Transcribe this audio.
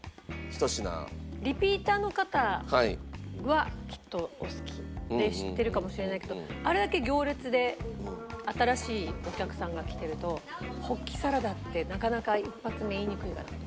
リピーターの方はきっとお好きで知ってるかもしれないけどあれだけ行列で新しいお客さんが来てるとホッキサラダってなかなか一発目言いにくいかなと。